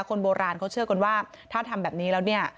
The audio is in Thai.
คนโบราณเขาเชื่อกันว่าถ้าทำแบบนี้แล้วเนี่ย